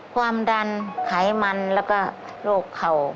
ความดันไขมันแล้วก็โรคเข่า